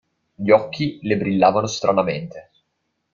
Gli occhi le brillavano stranamente.